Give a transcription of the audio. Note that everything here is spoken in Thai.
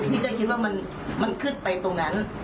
พี่ก็คิดว่ามันขึ้นไปตรงนั้น